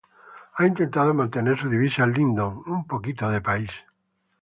Ha intentado mantener su divisa ""Lindon: un poquito de país.